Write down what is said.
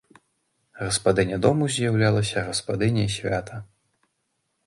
Гаспадыня дому з'яўлялася гаспадыняй свята.